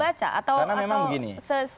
tidak membaca atau karena memang begini